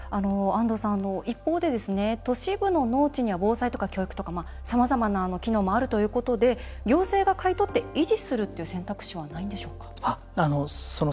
一方で、都市部の農地には防災とか教育とかさまざまな機能もあるということで行政が買い取って維持する選択肢ないんでしょうか？